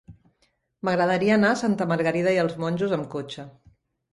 M'agradaria anar a Santa Margarida i els Monjos amb cotxe.